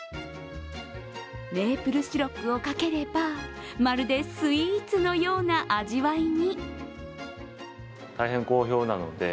メープルシロップをかければ、まるでスイーツのような味わいに。